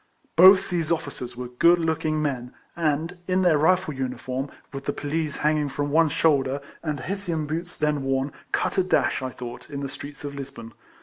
Both these officers were good looking men, and, in their Rifle uniform, with the pelisse hanging from one 96 KECOLLECTIONS OF shoulder, and liessian boots then worn, cut a dash, I thought, in the streets of Lisbon.